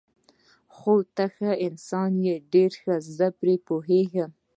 خو ته ښه انسان یې، ډېر ښه، زه پرې پوهېږم.